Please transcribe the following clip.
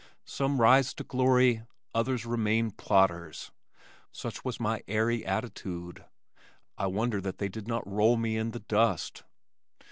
Some rise to glory, others remain plodders " such was my airy attitude. I wonder that they did not roll me in the dust.